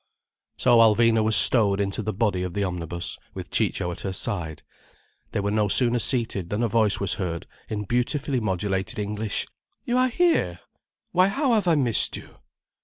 So Alvina was stowed into the body of the omnibus, with Ciccio at her side. They were no sooner seated than a voice was heard, in beautifully modulated English: "You are here! Why how have I missed you?"